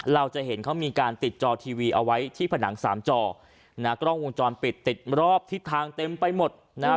เราจะเห็นเขามีการติดจอทีวีเอาไว้ที่ผนังสามจอนะกล้องวงจรปิดติดรอบทิศทางเต็มไปหมดนะฮะ